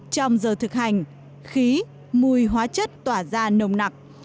trong giờ thực hành khí mùi hóa chất tỏa ra nồng nặc